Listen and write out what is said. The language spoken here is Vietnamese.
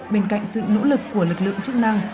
bên cạnh sự nỗ lực của lực lượng chức năng